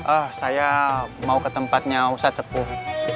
eh saya mau ke tempatnya ustadz sekuh